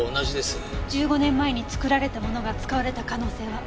１５年前に作られたものが使われた可能性は？